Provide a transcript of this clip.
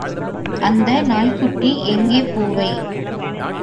அந்த நாய்க்குட்டி எங்கே பூவை.